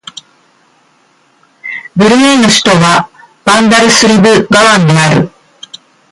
ブルネイの首都はバンダルスリブガワンである